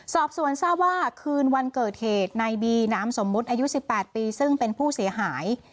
สอบสวนทราบว่าคืนวันเกิดเหตุในบีนามสมมุติอายุ๑๘ปีซึ่งเป็นผู้เสียหาย